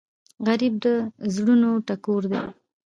غریب د زړونو ټکور دی